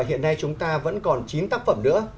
hiện nay chúng ta vẫn còn chín tác phẩm nữa